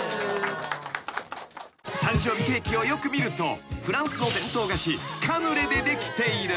［誕生日ケーキをよく見るとフランスの伝統菓子カヌレでできている］